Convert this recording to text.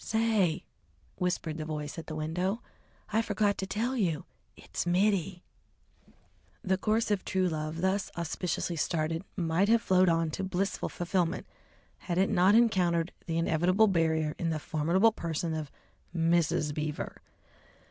"Say!" whispered the voice at the window, "I forgot to tell you It's Mittie." The course of true love thus auspiciously started might have flowed on to blissful fulfilment had it not encountered the inevitable barrier in the formidable person of Mrs. Beaver.